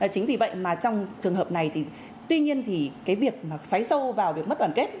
chính vì vậy mà trong trường hợp này thì tuy nhiên thì cái việc mà xoáy sâu vào việc mất đoàn kết